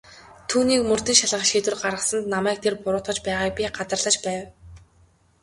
Түүнийг мөрдөн шалгах шийдвэр гаргасанд намайг тэр буруутгаж байгааг би гадарлаж байв.